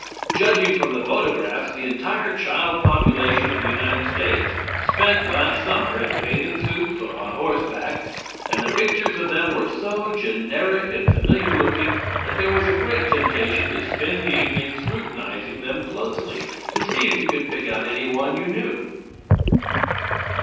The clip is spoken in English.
Judging from the photographs the entire child population of the United States spent last summer in bathing suits or on horseback, and the pictures of them were so generic and familiar looking that there was a great temptation to spend the evening scrutinizing them closely to see if you could pick out anyone you knew.